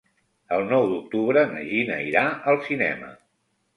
El nou d'octubre na Gina irà al cinema.